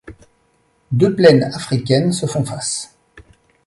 Deux plaines africaines se font face.